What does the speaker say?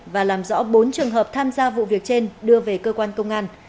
và làm rõ bốn trường hợp tham gia vụ việc trên đưa về cơ quan công an